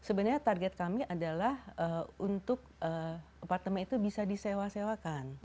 sebenarnya target kami adalah untuk apartemen itu bisa disewa sewakan